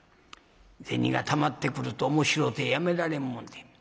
銭がたまってくると面白うてやめられんもんで。